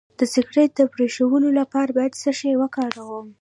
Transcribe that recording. د سګرټ د پرېښودو لپاره باید څه شی وکاروم؟